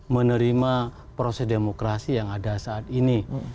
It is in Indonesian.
menerima proses demokrasi yang ada saat ini